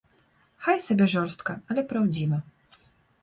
Хай сабе жорстка, але праўдзіва.